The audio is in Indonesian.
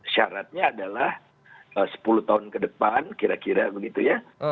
syaratnya adalah sepuluh tahun ke depan kira kira begitu ya